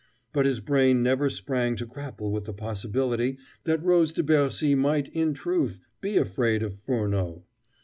But his brain never sprang to grapple with the possibility that Rose de Bercy might, in truth, be afraid of Furneaux.